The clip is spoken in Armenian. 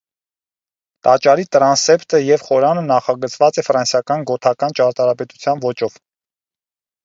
Տաճարի տրանսեպտը և խորանը նախագծված է ֆրանսիական գոթական ճարտարապետության ոճով։